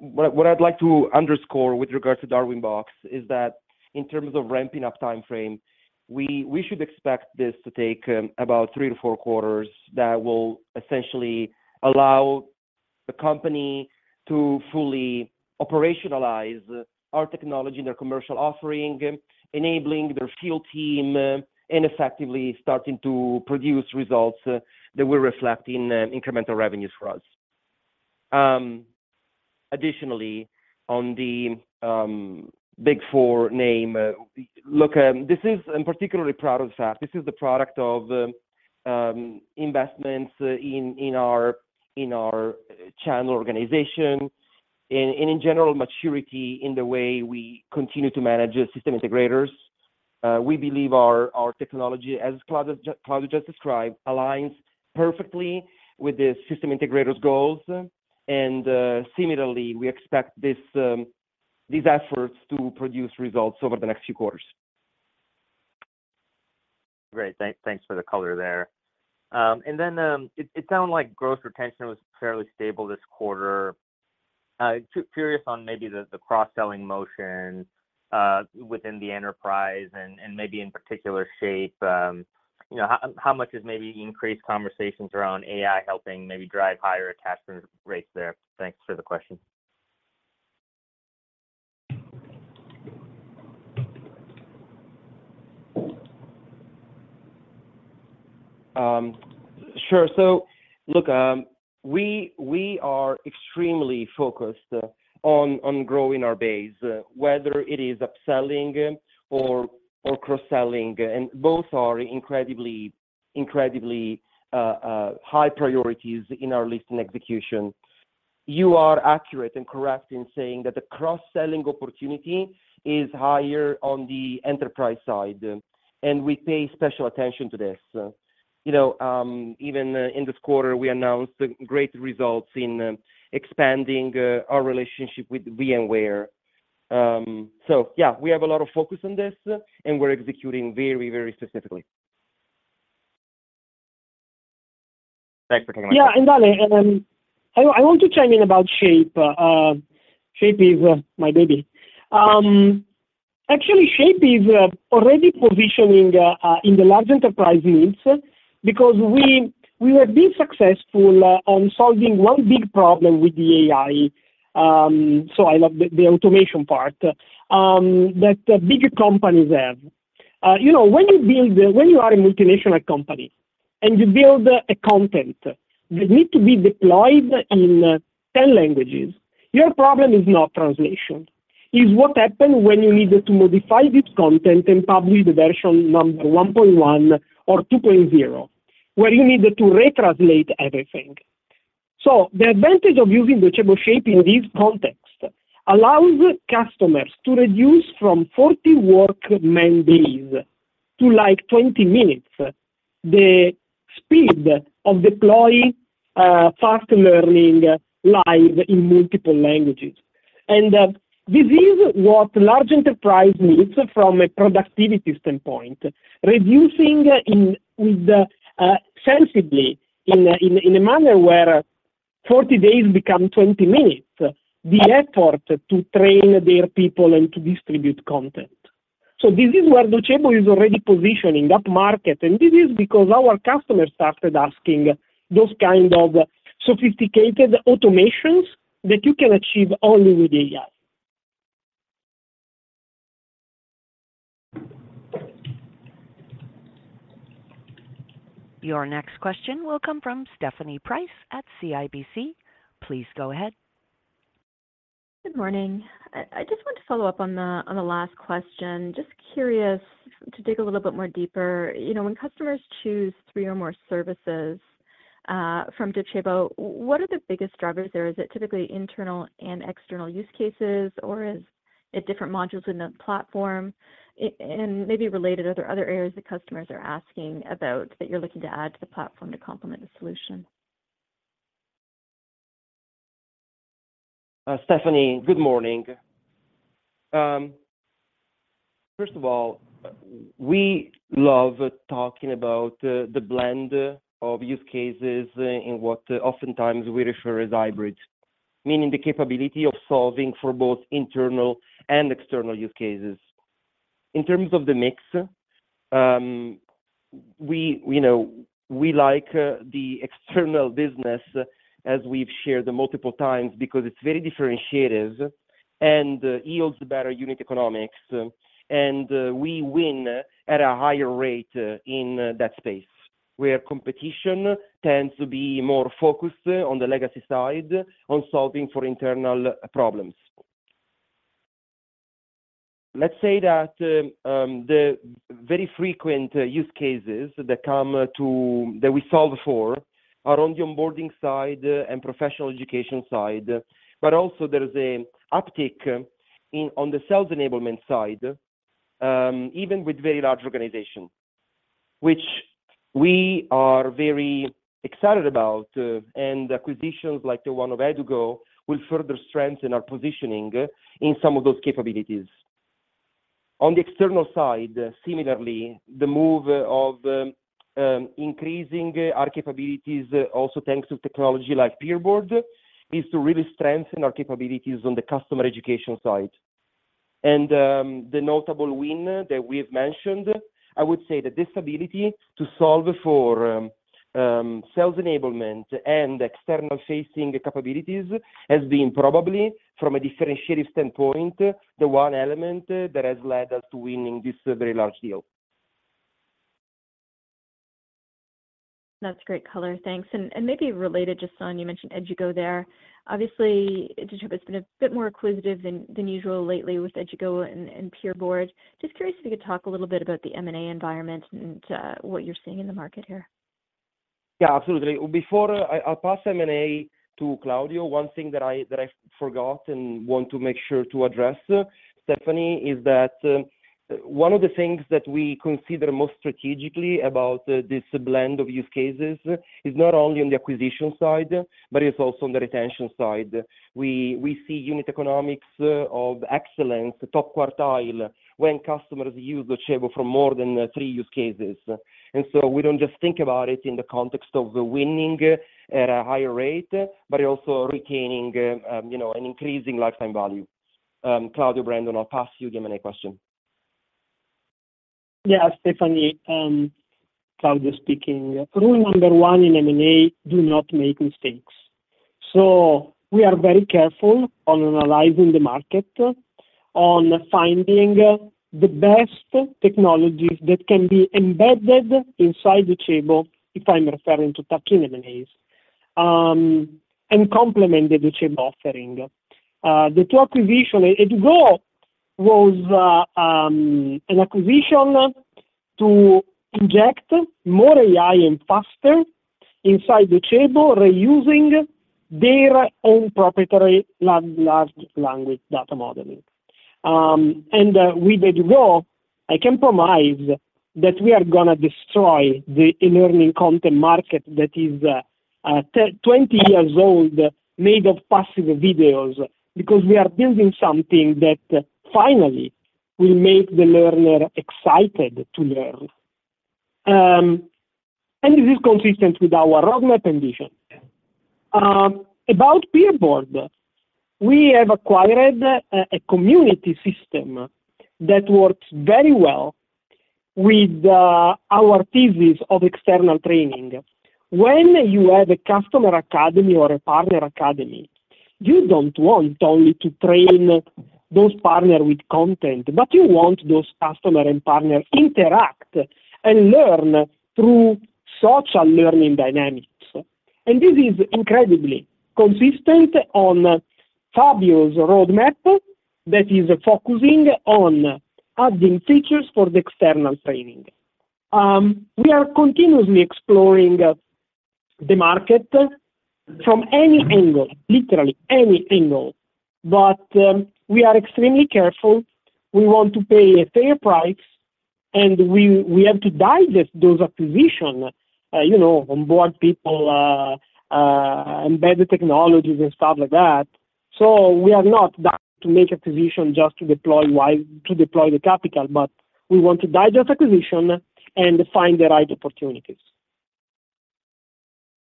What I'd like to underscore with regards to Darwinbox is that in terms of ramping up timeframe, we should expect this to take about three to four quarters that will essentially allow the company to fully operationalize our technology and their commercial offering, enabling their field team and effectively starting to produce results that will reflect in incremental revenues for us. Additionally, on the Big Four name, look, this is... I'm particularly proud of that. This is the product of investments in our channel organization, and in general, maturity in the way we continue to manage our system integrators. We believe our, our technology, as Claude just described, aligns perfectly with the system integrators goals. Similarly, we expect these efforts to produce results over the next few quarters. Great. Thanks for the color there. It sound like growth retention was fairly stable this quarter. Curious on maybe the cross-selling motion within the enterprise and maybe in particular Shape, you know, how much is maybe increased conversations around AI helping maybe drive higher attachment rates there? Thanks for the question. Sure. Look, we, we are extremely focused on, on growing our base, whether it is upselling or, or cross-selling, and both are incredibly, incredibly high priorities in our listing execution. You are accurate and correct in saying that the cross-selling opportunity is higher on the enterprise side, and we pay special attention to this. You know, even in this quarter, we announced great results in expanding our relationship with VMware. Yeah, we have a lot of focus on this, and we're executing very, very specifically. Thanks for taking my call. Yeah, and Ale, I, I want to chime in about Shape. Shape is my baby. Actually, Shape is already positioning in the large enterprise needs, because we, we have been successful on solving one big problem with the AI. I love the, the automation part that big companies have. You know, when you build-- when you are a multinational company and you build a content that need to be deployed in 10 languages, your problem is not translation. Is what happens when you need to modify this content and publish the version number 1.1 or 2.0, where you need to retranslate everything. The advantage of using Docebo Shape in this context allows customers to reduce from 40 work man days to like 20 minutes, the speed of deploying fast learning live in multiple languages. This is what large enterprise needs from a productivity standpoint, reducing sensibly in a manner where 40 days become 20 minutes, the effort to train their people and to distribute content. This is where Docebo is already positioning that market. This is because our customers started asking those kind of sophisticated automations that you can achieve only with AI. Your next question will come from Stephanie Price at CIBC. Please go ahead. Good morning. I, I just want to follow up on the, on the last question. Just curious, to dig a little bit more deeper. You know, when customers choose three or more services from Docebo, what are the biggest drivers there? Is it typically internal and external use cases, or is it different modules in the platform? Maybe related, are there other areas that customers are asking about that you're looking to add to the platform to complement the solution? Stephanie, good morning. First of all, we love talking about the, the blend of use cases in what oftentimes we refer as hybrid, meaning the capability of solving for both internal and external use cases. In terms of the mix, we, we know we like the external business as we've shared multiple times because it's very differentiated and yields better unit economics, and we win at a higher rate in that space, where competition tends to be more focused on the legacy side on solving for internal problems. Let's say that the very frequent use cases that we solve for are on the onboarding side and professional education side, but also there is a uptick in, on the sales enablement side, even with very large organization, which we are very excited about. Acquisitions like the one of Edugo, will further strengthen our positioning in some of those capabilities. On the external side, similarly, the move of increasing our capabilities also thanks to technology like PeerBoard, is to really strengthen our capabilities on the customer education side. The notable win that we've mentioned, I would say that this ability to solve for sales enablement and external facing capabilities has been probably, from a differentiated standpoint, the one element that has led us to winning this very large deal. That's great color. Thanks. And maybe related, just on, you mentioned Edugo there. Obviously, Docebo has been a bit more acquisitive than, than usual lately with Edugo and, and PeerBoard. Just curious if you could talk a little bit about the M&A environment and, what you're seeing in the market here? Yeah, absolutely. Before I, I pass M&A to Claudio, one thing that I, that I forgot and want to make sure to address, Stephanie, is that one of the things that we consider most strategically about this blend of use cases is not only on the acquisition side, but it's also on the retention side. We, we see unit economics of excellence, top quartile, when customers use Docebo for more than three use cases. So we don't just think about it in the context of winning at a higher rate, but also retaining, you know, and increasing lifetime value. Claudio, Brandon, I'll pass you the M&A question. Yeah, Stephanie, Claudio speaking. Rule number one in M&A, do not make mistakes. We are very careful on analyzing the market, on finding the best technologies that can be embedded inside Docebo, if I'm referring to talking M&As, and complement the Docebo offering. The two acquisition, Edugo was an acquisition to inject more AI and faster inside Docebo, reusing their own proprietary large, large language data modeling. With Edugo, I can promise that we are gonna destroy the e-learning content market that is, 20 years old, made of passive videos, because we are building something that finally will make the learner excited to learn. This is consistent with our roadmap and vision. About PeerBoard, we have acquired a community system that works very well with our thesis of external training. When you have a customer academy or a partner academy, you don't want only to train those partners with content, but you want those customer and partners interact and learn through social learning dynamics. This is incredibly consistent on Fabio's roadmap, that is focusing on adding features for the external training. We are continuously exploring the market from any angle, literally any angle, but we are extremely careful. We want to pay a fair price, and we, we have to digest those acquisition, you know, onboard people, embed the technologies and stuff like that. We are not there to make acquisition just to deploy to deploy the capital, but we want to digest acquisition and find the right opportunities.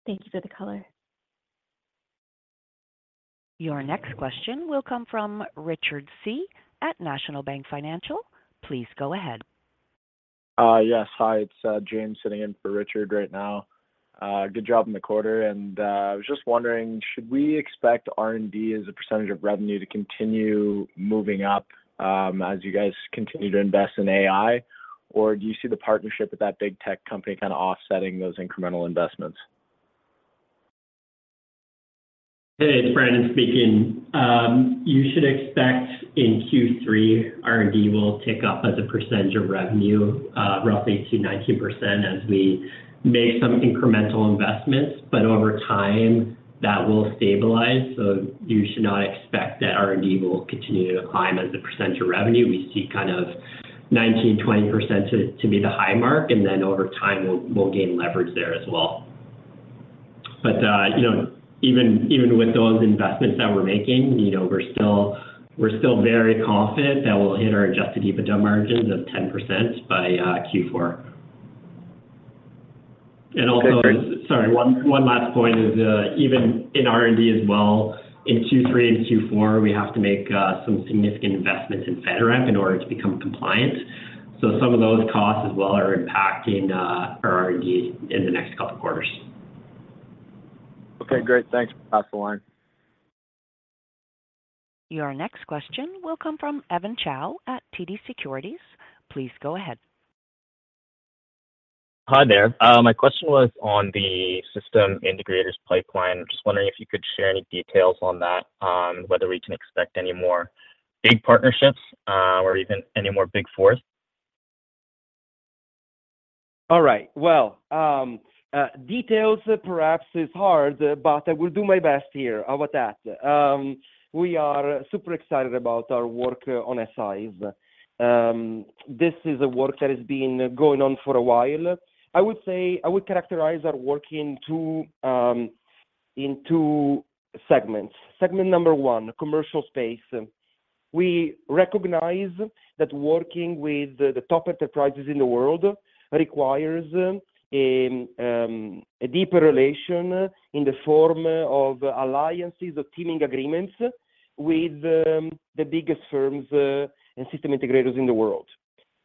Thank you for the color. Your next question will come from Richard Tse at National Bank Financial. Please go ahead. Yes. Hi, it's James sitting in for Richard right now. Good job in the quarter, and I was just wondering, should we expect R&D as a percentage of revenue to continue moving up as you guys continue to invest in AI? Or do you see the partnership with that big tech company kind of offsetting those incremental investments? Hey, it's Brandon speaking. You should expect in Q3, R&D will tick up as a percentage of revenue, roughly to 19% as we make some incremental investments, but over time, that will stabilize, so you should not expect that R&D will continue to climb as a percentage of revenue. We see kind of 19%-20% to be the high mark, and then over time, we'll gain leverage there as well. You know, even with those investments that we're making, you know, we're still very confident that we'll hit our adjusted EBITDA margins of 10% by Q4. Okay, great. Also, sorry, one last point is, even in R&D as well, in Q3 and Q4, we have to make some significant investments in FedRAMP in order to become compliant. Some of those costs as well are impacting our R&D in the next two quarters. Okay, great. Thanks, Brandon. Your next question will come from Andrew Charles at TD Securities. Please go ahead. Hi there. My question was on the system integrators pipeline. Just wondering if you could share any details on that, on whether we can expect any more big partnerships, or even any more Big Fours? All right. Well, details perhaps is hard, but I will do my best here about that. We are super excited about our work on SIs. This is a work that has been going on for a while. I would say, I would characterize our work in two, in two segments. Segment one, commercial space. We recognize that working with the top enterprises in the world requires a deeper relation in the form of alliances or teaming agreements with the biggest firms and system integrators in the world.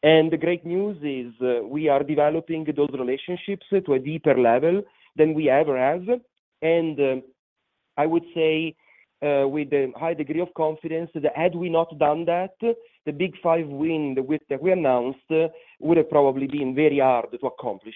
The great news is, we are developing those relationships to a deeper level than we ever have. I would say, with a high degree of confidence, that had we not done that, the Big five win that we, that we announced, would have probably been very hard to accomplish.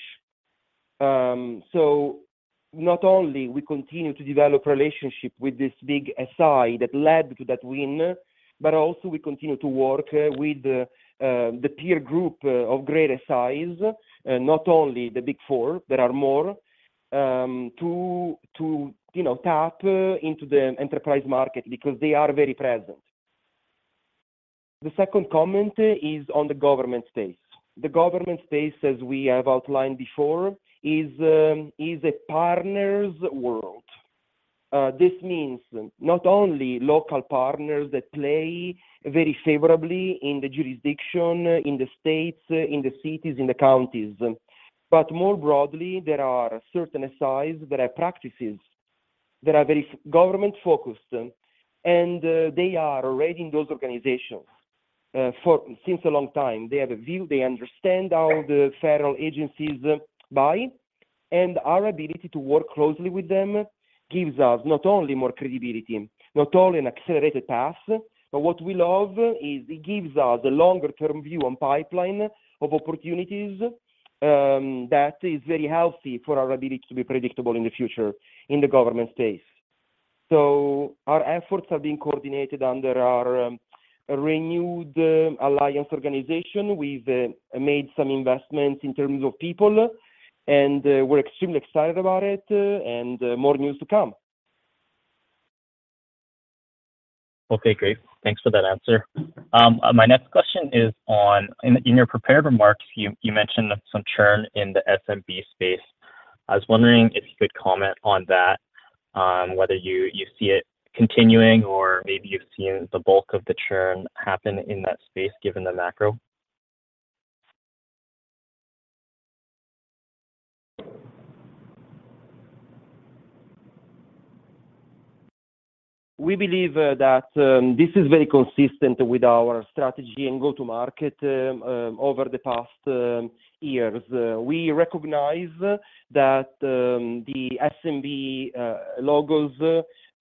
Not only we continue to develop relationship with this big SI that led to that win, but also we continue to work with the peer group of greater size, not only the Big Four, there are more, tap into the enterprise market because they are very present. The second comment is on the government space. The government space, as we have outlined before, is a partners world. This means not only local partners that play very favorably in the jurisdiction, in the states, in the cities, in the counties, but more broadly, there are certain size, there are practices that are very government-focused, and they are already in those organizations for since a long time. They have a view, they understand how the federal agencies buy, and our ability to work closely with them gives us not only more credibility, not only an accelerated path, but what we love is it gives us a longer-term view on pipeline of opportunities, that is very healthy for our ability to be predictable in the future in the government space. Our efforts are being coordinated under our renewed alliance organization. We've made some investments in terms of people, and we're extremely excited about it, and more news to come. Okay, great. Thanks for that answer. My next question is on... In your prepared remarks, you mentioned some churn in the SMB space. I was wondering if you could comment on that, whether you see it continuing or maybe you've seen the bulk of the churn happen in that space, given the macro? We believe that this is very consistent with our strategy and go-to-market over the past years. We recognize that the SMB logos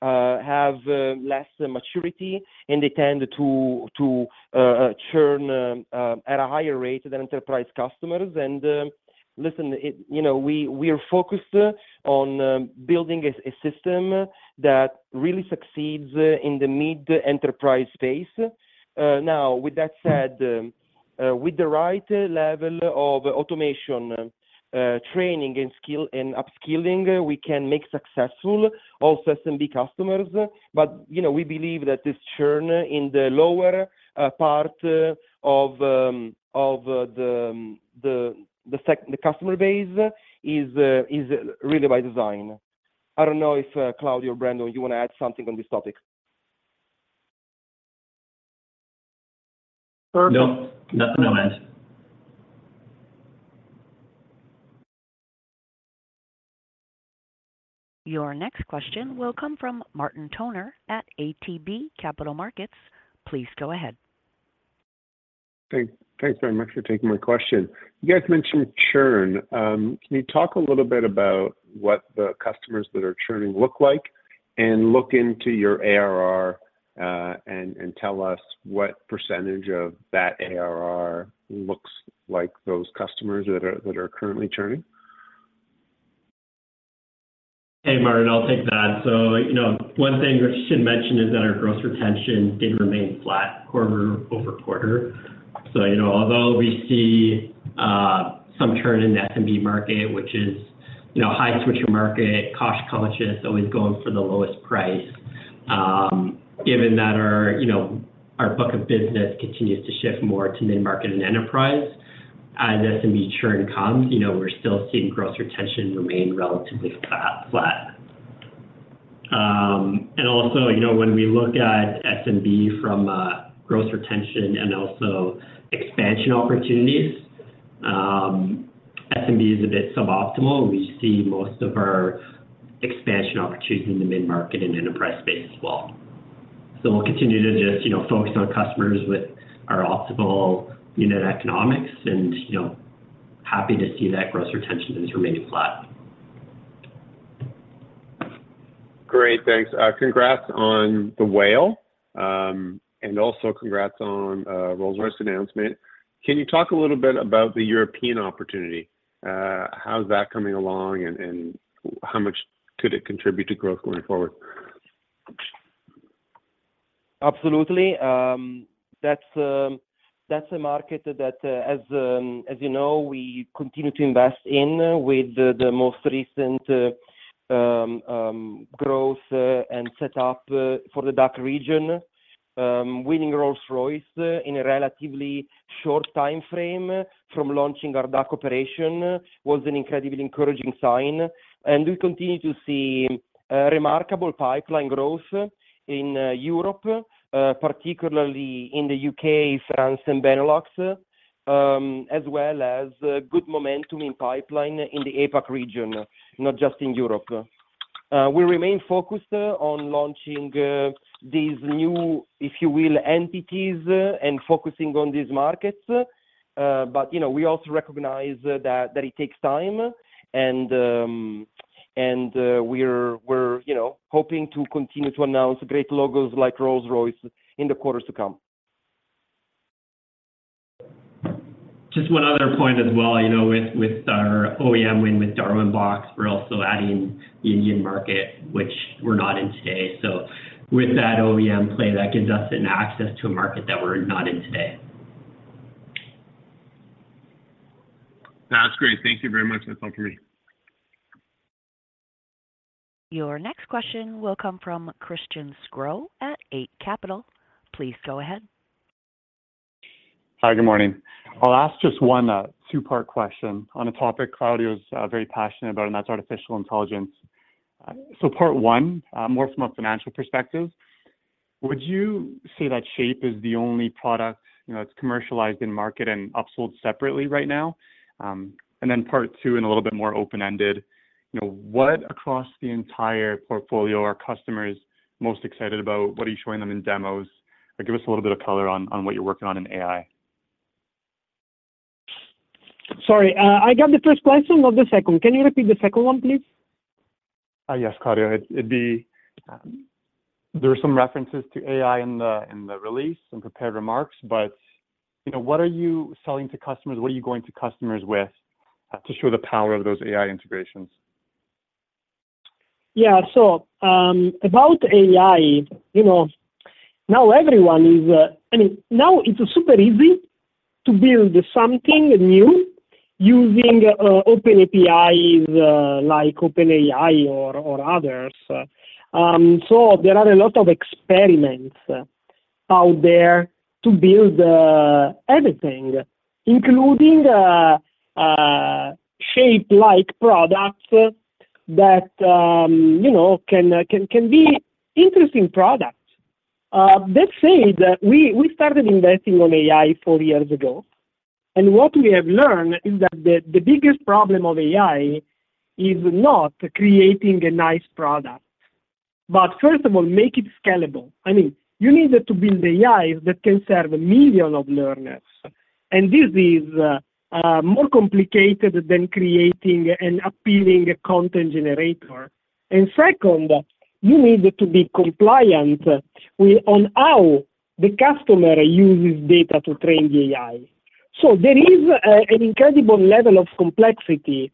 have less maturity, and they tend to to churn at a higher rate than enterprise customers. Listen, it, you know, we, we are focused on building a system that really succeeds in the mid-enterprise space. Now, with that said, with the right level of automation, training, and skill, and upskilling, we can make successful also SMB customers. You know, we believe that this churn in the lower part of of the, the, the sec- the customer base is really by design. I don't know if Claudio or Brendan, you want to add something on this topic? Perfect. No. Nothing to add. Your next question will come from Martin Toner at ATB Capital Markets. Please go ahead. Thanks very much for taking my question. You guys mentioned churn. Can you talk a little bit about what the customers that are churning look like, and look into your ARR, and tell us what % of that ARR looks like those customers that are currently churning? Hey, Martin, I'll take that. You know, one thing we should mention is that our gross retention did remain flat quarter-over-quarter. You know, although we see some churn in the SMB market, which is, you know, high switcher market, cost-conscious, always going for the lowest price, given that our, you know, our book of business continues to shift more to mid-market and enterprise, as SMB churn comes, you know, we're still seeing gross retention remain relatively flat. Also, you know, when we look at SMB from gross retention and also expansion opportunities, SMB is a bit suboptimal. We see most of our expansion opportunity in the mid-market and enterprise space as well. We'll continue to just, you know, focus on customers with our optimal unit economics and, you know, happy to see that gross retention has remained flat. Great, thanks. Congrats on the Whale, and also congrats on Rolls-Royce announcement. Can you talk a little bit about the European opportunity? How's that coming along, and how much could it contribute to growth going forward? Absolutely. That's a market that, as you know, we continue to invest in with the most recent growth and set up for the DACH region. Winning Rolls-Royce in a relatively short timeframe from launching our DACH operation was an incredibly encouraging sign, and we continue to see remarkable pipeline growth in Europe, particularly in the U.K, France, and Benelux, as well as good momentum in pipeline in the APAC region, not just in Europe. We remain focused on launching these new, if you will, entities and focusing on these markets. You know, we also recognize that it takes time, and we're, we're, you know, hoping to continue to announce great logos like Rolls-Royce in the quarters to come. Just one other point as well, you know, with, with our OEM win with Darwinbox, we're also adding the Indian market, which we're not in today. With that OEM play, that gives us an access to a market that we're not in today. That's great. Thank you very much. That's all for me. Your next question will come from Christian Sgro at Eight Capital. Please go ahead. Hi, good morning. I'll ask just one, two-part question on a topic Claudio is very passionate about, and that's artificial intelligence. Part one, more from a financial perspective, would you say that Shape is the only product, you know, that's commercialized in market and upsold separately right now? Part two, and a little bit more open-ended, you know, what across the entire portfolio are customers most excited about? What are you showing them in demos? Give us a little bit of color on, on what you're working on in AI. Sorry, I got the first question, not the second. Can you repeat the second one, please? Yes, Claudio. It'd be. There are some references to AI in the release and prepared remarks. You know, what are you selling to customers? What are you going to customers with to show the power of those AI integrations? About AI, you know, now everyone is.. I mean, now it's super easy to build something new using OpenAPI, like OpenAI or others. There are a lot of experiments out there to build everything, including Shape-like products that, you know, can be interesting products. Let's say that we, we started investing on AI four-years ago, and what we have learned is that the, the biggest problem of AI is not creating a nice product. First of all, make it scalable. I mean, you need it to build AI that can serve millions of learners, and this is more complicated than creating an appealing content generator. Second, you need it to be compliant with, on how the customer uses data to train the AI. There is an incredible level of complexity,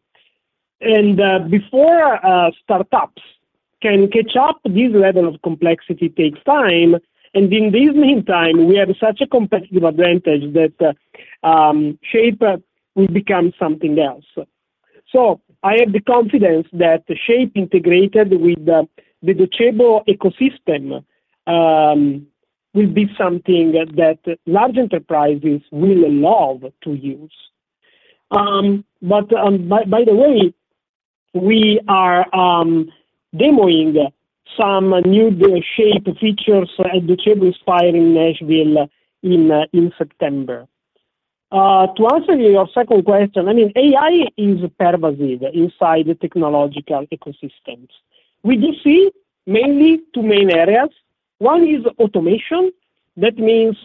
and before startups can catch up, this level of complexity takes time, and in this meantime, we have such a competitive advantage that Docebo Shape will become something else. I have the confidence that the Shape integrated with the Docebo ecosystem will be something that large enterprises will love to use. By the way, we are demoing some new Shape features at Docebo Inspire in Nashville in September. To answer your second question, I mean, AI is pervasive inside the technological ecosystems. We do see mainly two main areas. One is automation. That means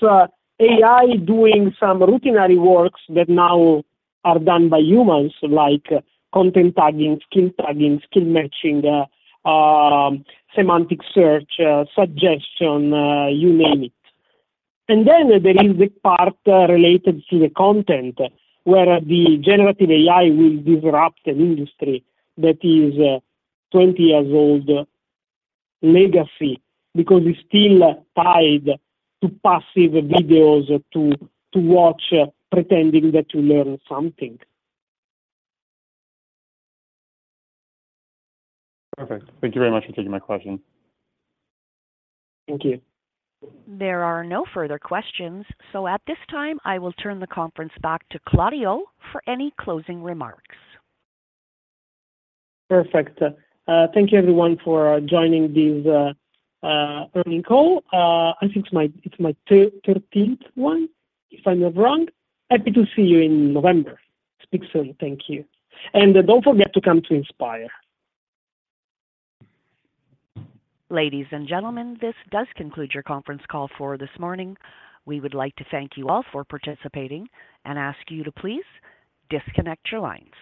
AI doing some routinary works that now are done by humans, like content tagging, skill tagging, skill matching, semantic search, suggestion, you name it. Then there is the part related to the content, where the generative AI will disrupt an industry that is 20 years old legacy, because it's still tied to passive videos to watch, pretending that you learn something. Perfect. Thank you very much for taking my question. Thank you. There are no further questions, so at this time, I will turn the conference back to Claudio for any closing remarks. Perfect. Thank you everyone for joining this earnings call. I think it's my 13th one, if I'm not wrong. Happy to see you in November. Speak soon. Thank you. Don't forget to come to Inspire. Ladies and gentlemen, this does conclude your conference call for this morning. We would like to thank you all for participating and ask you to please disconnect your lines.